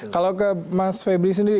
kalau ke mas febri sendiri